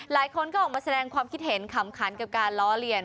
หลายคนก็ออกมาแสดงความคิดเห็นขำขันกับการล้อเลียน